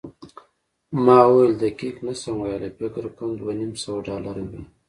ما وویل، دقیق نه شم ویلای، فکر کوم دوه نیم سوه ډالره وي.